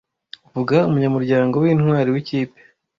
Vuga umunyamuryango wintwari wikipe